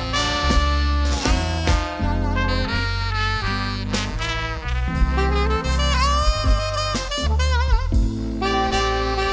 เมื่อเวลาเมื่อเวลา